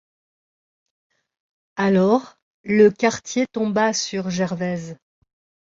Alors, le quartier tomba sur Gervaise.